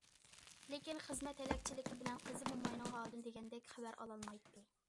لېكىن خىزمەت ھەلەكچىلىكى بىلەن قىزى موماينىڭ ھالىدىن دېگەندەك خەۋەر ئالالمايتتى.